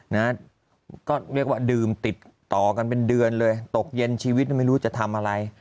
นะก็เรียกว่าดื่มติดต่อกันเป็นเดือนเลยตกเย็นชีวิตไม่รู้จะทำอะไร